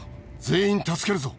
全員助けるぞ。